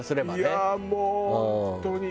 いやもう本当に。